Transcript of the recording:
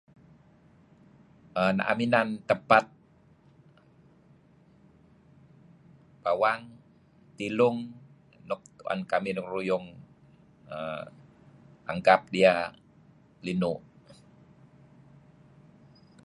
Naem inan tempat bawang, tilung nuk tuen kamih dengaruyung nuk anggap dia linu'.